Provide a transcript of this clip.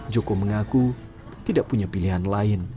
joko mengaku tidak punya pilihan lain